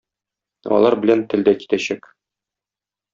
Алар белән тел дә китәчәк.